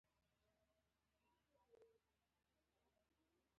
ستاسو له کمال اتحاد او موافقت څخه.